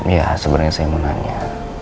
ya sebenarnya saya mau nanya